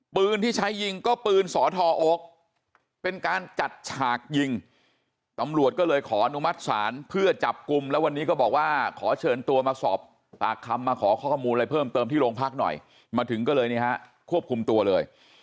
ปืนที่ใช้ยิงก็ปืนสอทอโอ๊คเป็นการจัดฉากยิงตำรวจก็เลยขออนุมัติศาลเพื่อจับกลุ่มแล้ววันนี้ก็บอกว่าขอเชิญตัวมาสอบปากคำมาขอข้อมูลอะไรเพิ่มเติมที่โรงพักหน่อยมาถึงก็เลยนี่ฮะควบคุมตัวเลย